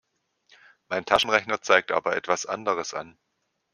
Mein Taschenrechner zeigt aber etwas anderes an!